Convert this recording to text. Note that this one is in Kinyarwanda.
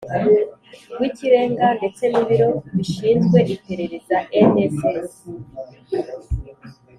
Rw ikirenga ndetse n ibiro bishinzwe iperereza nss